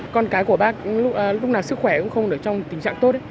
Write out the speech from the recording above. con cái của bác lúc nào sức khỏe cũng không được trong tình trạng tốt